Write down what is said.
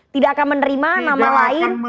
tidak akan menerima nama lain